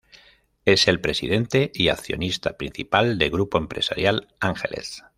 Es el presidente y accionista principal de Grupo Empresarial Ángeles.